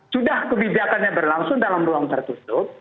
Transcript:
sudah kebijakannya berlangsung dalam ruang tertutup